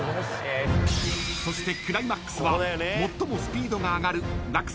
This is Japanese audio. ［そしてクライマックスは最もスピードが上がる落差